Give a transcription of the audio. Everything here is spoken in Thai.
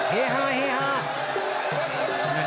เฮฮาเฮฮา